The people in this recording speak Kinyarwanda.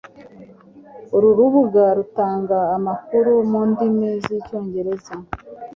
Uru rubuga rutanga amakuru mu ndimi z'Icyongereza